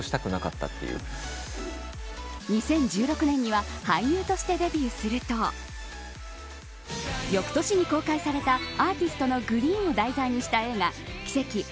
２０１６年には俳優としてデビューすると翌年に公開されたアーティストのＧＲｅｅｅｅＮを題材にした映画キセキ